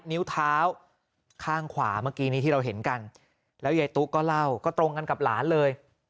นิ้วเท้าข้างขวาเมื่อกี้นี้ที่เราเห็นกันแล้วยายตุ๊กก็เล่าก็ตรงกันกับหลานเลย